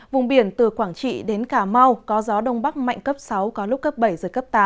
vùng biển từ quảng trị đến cà mau có gió đông bắc mạnh cấp sáu có lúc cấp bảy giật cấp tám